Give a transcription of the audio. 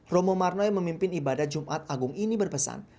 romo marnoy memimpin ibadat jumat agung ini berpesan